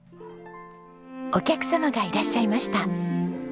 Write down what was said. お客様がいらっしゃいました。